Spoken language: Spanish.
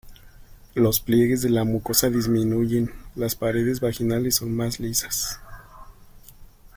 Los pliegues de la mucosa disminuyen: las paredes vaginales son más lisas.